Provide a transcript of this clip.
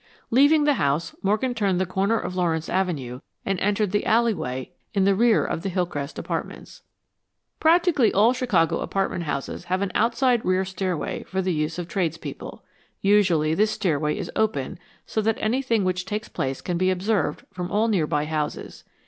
Leaving the house, Morgan turned the corner of Lawrence Avenue and entered the alleyway in the rear of the Hillcrest apartments. Practically all Chicago apartment houses have an outside rear stairway for the use of tradespeople. Usually, this stairway is open so that anything which takes place can be observed from all nearby houses.